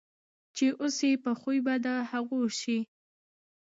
چي اوسې په خوی به د هغو سې